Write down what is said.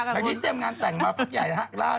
คราวนี้เตรียมงานแต่งมาคุณขอบคุณจักครับ